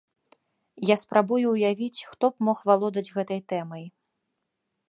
Я спрабую ўявіць, хто б мог валодаць гэтай тэмай.